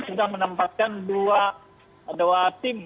sudah menempatkan dua tim